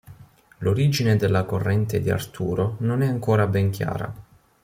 L'origine della corrente di Arturo non è ancora ben chiara.